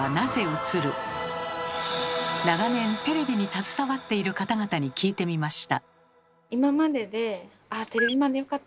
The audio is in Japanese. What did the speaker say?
長年テレビに携わっている方々に聞いてみました。